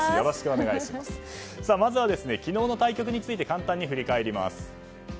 まずは昨日の対局について簡単に振り返ります。